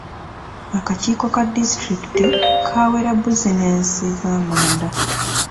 Akakiiko ka disitulikiti kaawera buzinensi z'amanda.